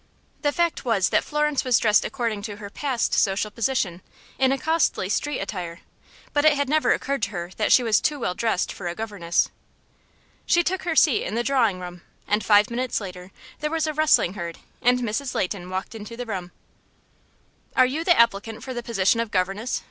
The fact was that Florence was dressed according to her past social position in a costly street attire but it had never occurred to her that she was too well dressed for a governess. She took her seat in the drawing room, and five minutes later there was a rustling heard, and Mrs. Leighton walked into the room. "Are you the applicant for the position of governess?"